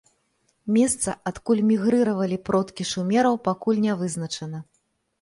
Месца, адкуль мігрыравалі продкі шумераў пакуль ня вызначана.